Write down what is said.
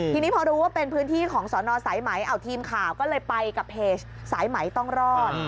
ทีนี้พอรู้ว่าเป็นพื้นที่ของสอนอสายไหมเอาทีมข่าวก็เลยไปกับเพจสายไหมต้องรอด